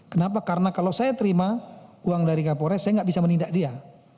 kenapa karena kalau saya terima uang dari kapolres saya nggak bisa menindak dia